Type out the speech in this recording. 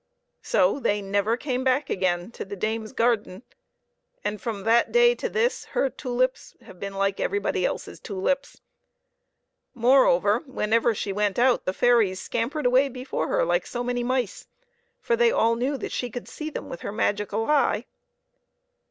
So they never came back again to the dame's garden, and from that day to this her tulips have been like everybody else's tulips. Moreover, whenever she went out the fairies scampered away before her like so many mice, for they all knew that she could see them with her magical eye.